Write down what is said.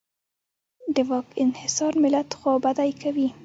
د واک انحصار ملت خوابدی کوي.